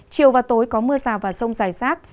chiều và tối có mưa rào và rông dài rác